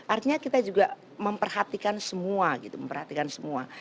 artinya kita juga memperhatikan semua gitu memperhatikan semua